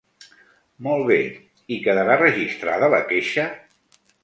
Molt bé, i quedara registrada la queixa?